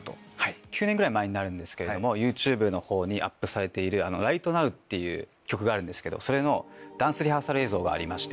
９年ぐらい前になるんですけどもＹｏｕＴｕｂｅにアップされている『ＲｉｇｈｔＮｏｗ』っていう曲があるんですけどそれのダンスリハーサル映像がありまして。